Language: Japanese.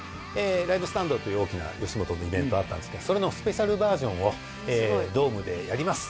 「ＬＩＶＥＳＴＡＮＤ」という大きな吉本のイベントあったんですけどそれのスペシャルバージョンをドームでやります